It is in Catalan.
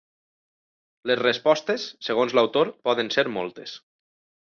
Les respostes, segons l'autor, poden ser moltes.